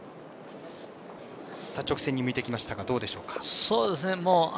直線に向いてきましたがどうでしょうか。